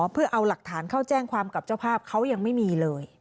เพื่อเอาหลักฐานเข้าแจ้งความกับเจ้าภาพเขายังไม่มีเลย